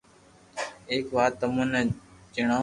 ايڪ وات تمون ني ڄڻاوو